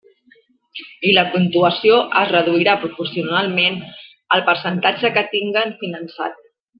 I la puntuació es reduirà proporcionalment al percentatge que tinguen finançat.